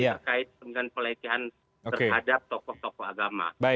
terkait dengan pelecehan terhadap tokoh tokoh agama